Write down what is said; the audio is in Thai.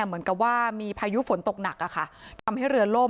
เหมือนกับว่ามีพายุฝนตกหนักทำให้เรือล่ม